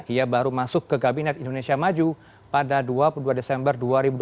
ia baru masuk ke kabinet indonesia maju pada dua puluh dua desember dua ribu dua puluh